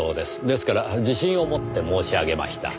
ですから自信を持って申し上げました。